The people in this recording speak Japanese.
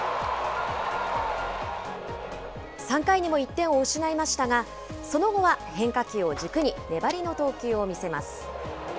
３回にも１点を失いましたが、その後は変化球を軸に、粘りの投球を見せます。